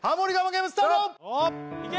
ゲームスタート・いけ！